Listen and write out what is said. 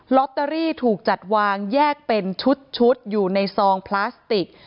ลอตเตอรี่ถูกจัดวางแยกเป็นชุดอยู่ในซองพลาสติก